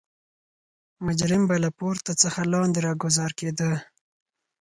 مجرم به له پورته څخه لاندې راګوزار کېده.